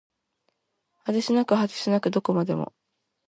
果てしなく果てしなくどこまでも